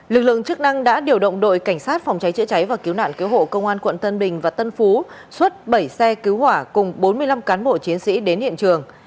lực lượng chức năng đã điều động đội cảnh sát phòng cháy chữa cháy và cứu nạn cứu hộ công an quận tân bình và tân phú xuất bảy xe cứu hỏa cùng bốn mươi năm cán bộ chiến sĩ đến hiện trường